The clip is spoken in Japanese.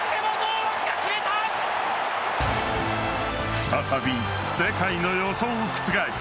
再び世界の予想を覆す